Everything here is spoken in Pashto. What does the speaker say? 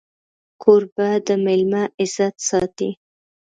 کوربه د مېلمه عزت ساتي.